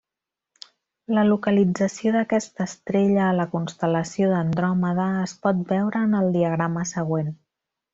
La localització d'aquesta estrella a la constel·lació d'Andròmeda es pot veure en el diagrama següent.